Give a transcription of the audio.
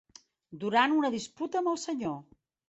Durant una disputa amb el Sr.